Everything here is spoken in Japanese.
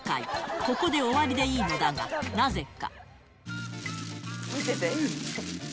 ここで終わりでいいのだが、なぜか。